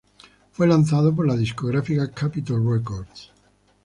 Fue lanzado por la discográfica Capitol Records.